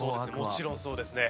もちろんそうですね。